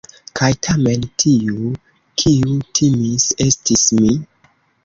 Kaj tamen, tiu, kiu timis, estis mi.